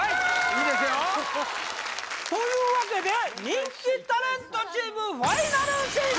いいですよというわけで人気タレントチームファイナル進出ー！